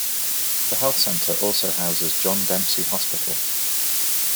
The Health Center also houses John Dempsey Hospital.